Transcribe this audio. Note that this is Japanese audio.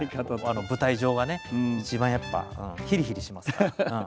舞台上はね一番やっぱひりひりしますから。